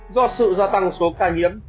do sự gia tăng số ca nhiễm